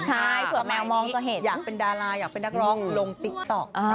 ใช่เผื่อแมวมองอยากเป็นดาราอยากเป็นนักร้องลงติ๊กต๊อก